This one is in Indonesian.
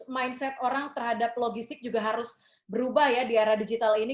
mindset orang terhadap logistik juga harus berubah ya di era digital ini